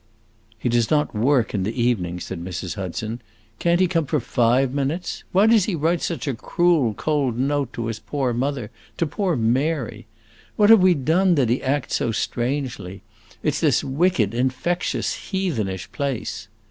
"He does not work in the evening," said Mrs. Hudson. "Can't he come for five minutes? Why does he write such a cruel, cold note to his poor mother to poor Mary? What have we done that he acts so strangely? It 's this wicked, infectious, heathenish place!"